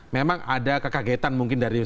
memang ada kekagetan mungkin dari